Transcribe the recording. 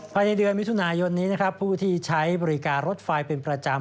ภายในเดือนมิถุนายนนี้นะครับผู้ที่ใช้บริการรถไฟเป็นประจำ